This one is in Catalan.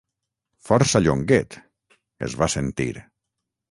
Força Llonguet! —es va sentir.